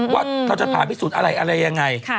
ว่าเราจะผ่าพิสูจน์อะไรอะไรยังไง